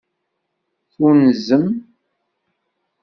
Tunzem.